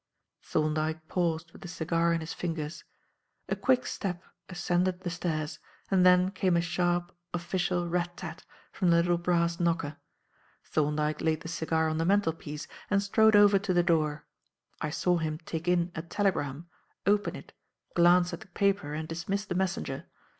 Thorndyke paused with the cigar in his fingers. A quick step ascended the stairs and then came a sharp, official rat tat from the little brass knocker. Thorndyke laid the cigar on the mantelpiece and strode over to the door. I saw him take in a telegram, open it, glance at the paper and dismiss the messenger.